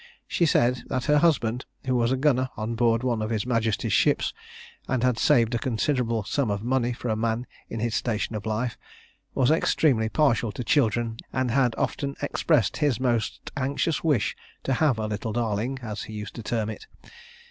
She said that her husband, who was a gunner on board one of his Majesty's ships, and had saved a considerable sum of money for a man in his station of life, was extremely partial to children, and had often expressed his most anxious wish to have a little darling, as he used to term it.